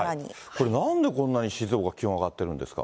これなんでこんなに静岡は気温が上がってるんですか？